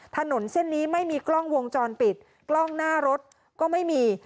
ถนนเส้นนี้ไม่มีกล้องวงจรปิดกล้องหน้ารถก็ไม่มี